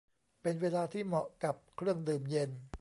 เป็นเวลาที่เหมาะกับเครื่องดื่มเย็น